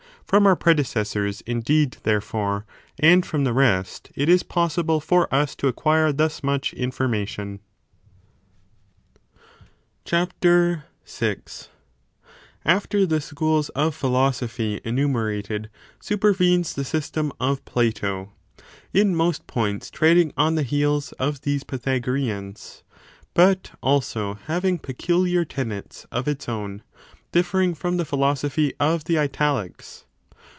From our predecessors, indeed, therefore, and from the rest, it is possible for us to acquire thus much information. CHAPTER VL After the schools of philosophy enumerated, i. Plato's ideal supervenes the system of Plato ;^ in most points ioux^'onu^^ treading on the heels of these Pythagoreans : but adoption, also having peculiar tenets of its own, difiering from the phi losophy of the Italics.